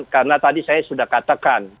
karena tadi saya sudah katakan